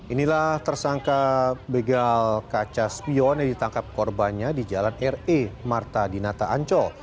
inilah tersangka begal kaca spion yang ditangkap korbannya di jalan re marta dinata ancol